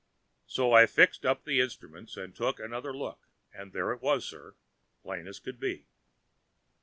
"So I fixed up the instruments and took another look, and there it was, sir, plain as could be!"